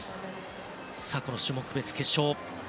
さあ、この種目別決勝。